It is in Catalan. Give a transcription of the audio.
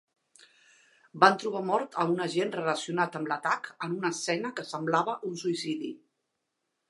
Van trobar mort a un agent relacionat amb l'atac, en una escena que semblava un suïcidi.